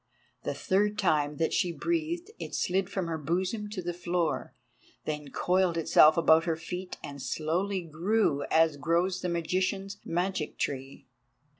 The third time that she breathed it slid from her bosom to the floor, then coiled itself about her feet and slowly grew as grows the magician's magic tree.